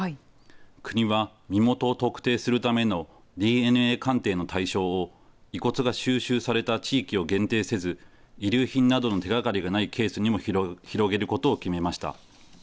国は、身元を特定するためのＤＮＡ鑑定の対象を、遺骨が収集された地域を限定せず、遺留品などの手がかりがないケースにも広げることを決めました。